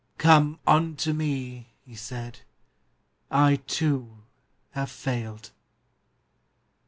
Come unto Me,' He said; 'I, too, have failed.